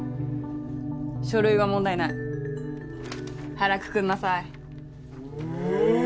書類は問題ない腹くくんなさいお？